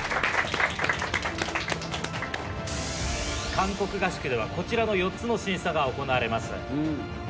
韓国合宿ではこちらの４つの審査が行われます。